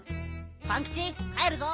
パンキチかえるぞ。